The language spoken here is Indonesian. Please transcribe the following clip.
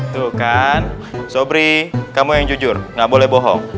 tuh kan sobri kamu yang jujur gak boleh bohong